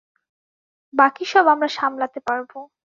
বাকি সব আমরা সামলাতে পারব।